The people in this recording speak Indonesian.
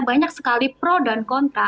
banyak sekali pro dan kontra